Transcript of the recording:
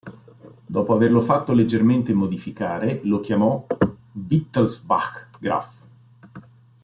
Dopo averlo fatto leggermente modificare, lo chiamò Wittelsbach-Graff.